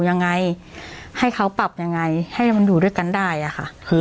ยังไงให้เขาปรับยังไงให้มันอยู่ด้วยกันได้อะค่ะคือ